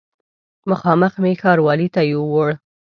مخامخ مې ښاروالي ته یووړ.